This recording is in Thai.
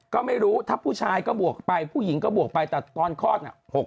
ก็ไม่รู้ถ้าผู้ชายก็บวกไปผู้หญิงก็บวกไปแต่ตอนคลอดน่ะ